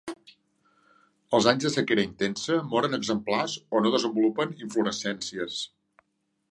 Els anys de sequera intensa moren exemplars o no desenvolupen inflorescències.